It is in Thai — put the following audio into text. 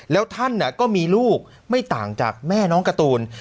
แล้วท่านก็มีลูกไม่ต่างจากแม่น้องการ์ตูน